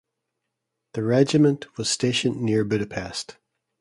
The regiment was stationed near Budapest.